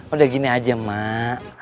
udah gini aja emak